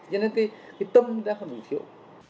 cho nên cái tâm đã không đủ thiệu